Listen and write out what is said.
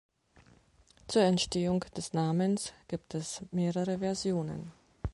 Zur Entstehung des Namens gibt es mehrere Versionen.